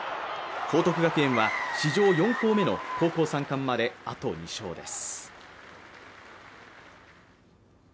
報徳学園は、史上４校目の高校３冠まで、あと２勝です。